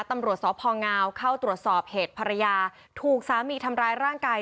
ตำรวจสพงเข้าตรวจสอบเหตุภรรยาถูกสามีทำร้ายร่างกาย